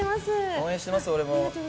応援してます、俺も。